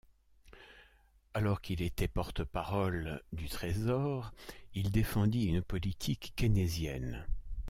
Alors qu'il était Porte-parole du Trésor, il défendit une politique keynésienne.